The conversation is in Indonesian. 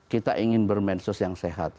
kita ingin bermedsos yang sehat